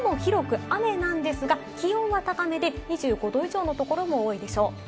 あすも広く雨なんですが、気温は高めで２５度以上のところも多いでしょう。